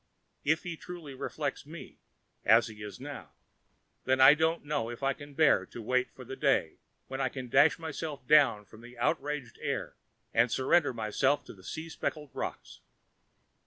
If he truly reflects me, as he is now, then I don't know if I can bear to wait for the day when I can dash myself down from the outraged air and surrender myself to the sea speckled rocks.